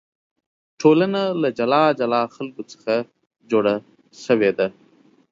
ټولنه له جلا جلا خلکو څخه جوړه شوې ده.